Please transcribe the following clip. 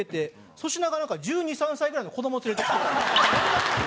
粗品がなんか１２１３歳ぐらいの子ども連れてきて。